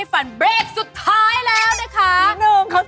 ยังไงน่ะบ้าฮะก็